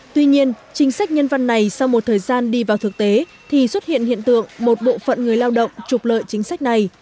tuy nhiên chính sách nhân văn này sau một thời gian đi vào thực tế thì xuất hiện hiện tượng một bộ phận người lao động trục lợi chính sách này